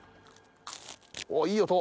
おっいい音！